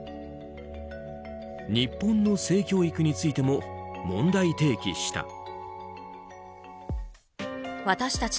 日本の性教育についても問題提起した。